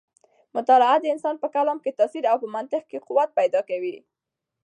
مطالعه د انسان په کلام کې تاثیر او په منطق کې قوت پیدا کوي.